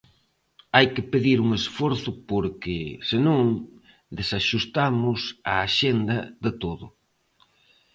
Hai que pedir un esforzo porque, se non, desaxustamos a axenda de todo.